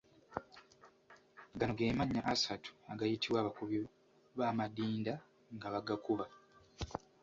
Gano ge mannya asatu agayitibwa abakubi b’amadinda nga bagakuba.